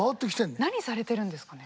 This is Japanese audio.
何されてるんですかね？